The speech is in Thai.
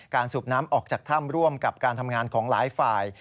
สูบน้ำออกจากถ้ำร่วมกับการทำงานของหลายฝ่าย